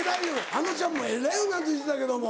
あのちゃんもえらいうなずいてたけども。